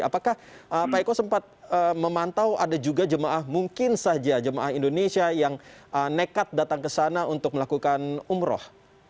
apakah pak eko sempat memantau ada juga jemaah mungkin saja jemaah indonesia yang nekat datang ke sana untuk melakukan umroh